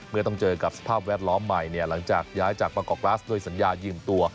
เมื่อต้องเจอกับสภาพแวดล้อมใหม่หลังจากย้ายจากประกอบกราสด้วยสัญญายืมตัว